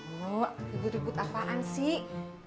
mau ribut ribut apaan sih